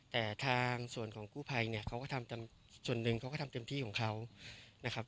แต่ทางส่วนของกู้ภัยเนี่ยเขาก็ทำส่วนหนึ่งเขาก็ทำเต็มที่ของเขานะครับ